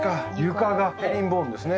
床がヘリンボーンですね。